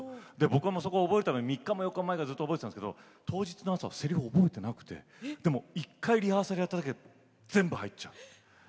僕は覚えるために３日も４日も前から覚えてたんですけど当日の朝、せりふ覚えてなくて１回リハーサルやっただけで全部、入っちゃう。